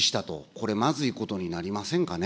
これ、まずいことになりませんかね。